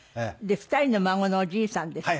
２人の孫のおじいさんですって？